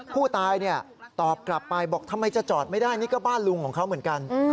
ผู้ตายตอบกลับไปบอกทำไมจะจอดไม่ได้นี่ก็บ้านลุงของเขาเหมือนกัน